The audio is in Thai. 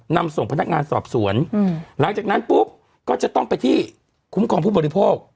นำส่งพนักงานสอบสวนหลังจากนั้นปุ๊บก็จะต้องไปที่คุ้มครองผู้บริโภค